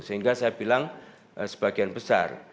sehingga saya bilang sebagian besar